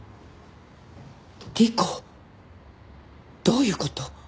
莉子どういう事？